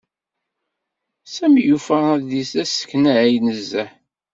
Sami yufa adlis d asneknay nezzeh.